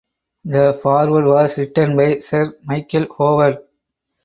The foreword was written by Sir Michael Howard.